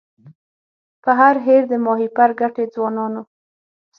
پر هر هېر د ماهیپر ګټي ځوانانو